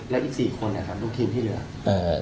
แล้วอีก๔คนในทีมที่เหลือ